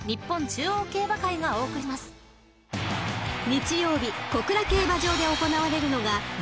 ［日曜日小倉競馬場で行われるのが］